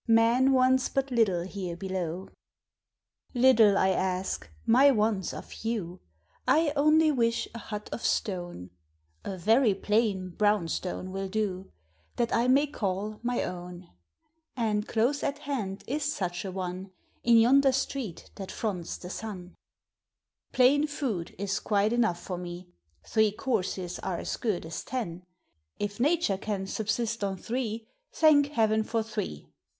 a MAX WANTS BUT LITTLE HERE BELOW." Little I ask; my wants are fewj I only wish ;i lint of Btoae, (A very plain brown stone will dp,) That I may call my own ; And close at hand is such a one, In yonder st peel I bat fronts the sun. 424 POEMS OF SENTIMENT. Plain food is quite enough for me ; Three courses are as good as ten ;— If nature can subsist on three, Thank Heaven for three.